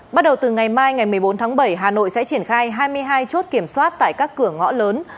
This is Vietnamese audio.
bắt đầu từ ngày mai ngày một mươi bốn tháng bảy hà nội sẽ triển khai hai mươi hai chốt kiểm soát tại các cửa ngõ lớn